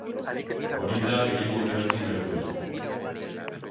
Hori da gehien motibatzen gaituena.